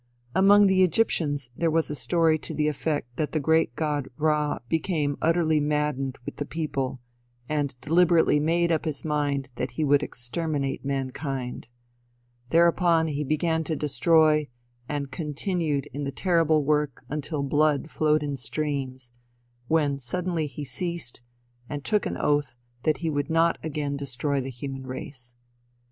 Among the Egyptians there was a story to the effect that the great god Ra became utterly maddened with the people, and deliberately made up his mind that he would exterminate mankind. Thereupon he began to destroy, and continued in the terrible work until blood flowed in streams, when suddenly he ceased, and took an oath that he would not again destroy the human race.